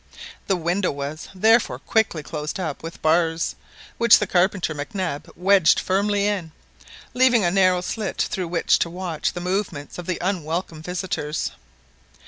The window was, therefore, quickly closed up with bars, which the carpenter Mac Nab wedged firmly in, leaving a narrow slit through which to watch the movements of the unwelcome visitors.